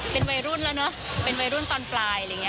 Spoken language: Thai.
เป็นวัยรุ่นแล้วเนอะเป็นวัยรุ่นตอนปลาย